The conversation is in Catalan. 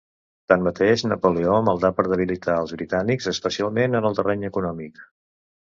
Tanmateix Napoleó maldà per debilitar als britànics especialment en el terreny econòmic.